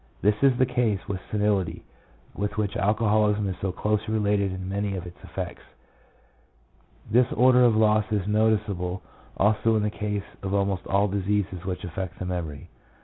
This is the case with senility, with which alcoholism is so closely related in many of its effects. This order of loss is noticeable also in the case of almost all diseases which affect the memory.